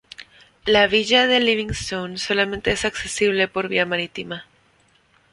La villa de Livingston solamente es accesible por vía marítima.